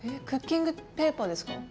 クッキングペーパーですか？